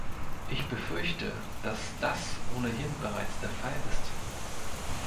Ich befürchte, dass das ohnehin bereits der Fall ist.